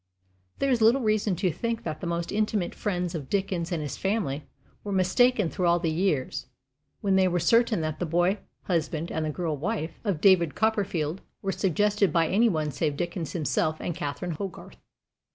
There is little reason to think that the most intimate friends of Dickens and of his family were mistaken through all the years when they were certain that the boy husband and the girl wife of David Copperfield were suggested by any one save Dickens himself and Catherine Hogarth.